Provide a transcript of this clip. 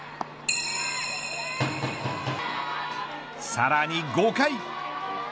さらに５回。